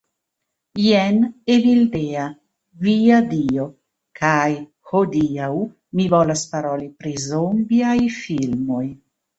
Jen Evildea. Via Dio. kaj hodiaŭ mi volas paroli pri zombiaj filmoj